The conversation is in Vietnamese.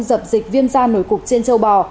dập dịch viêm da nổi cục trên châu bò